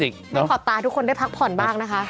ขอบตาทุกคนได้พักผ่อนบ้างนะคะ